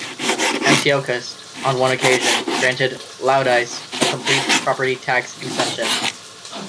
Antiochus, on one occasion, granted Laodice a complete property tax exemption.